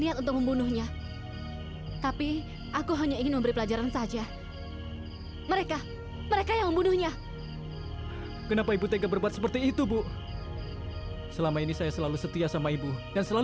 sampai jumpa di video selanjutnya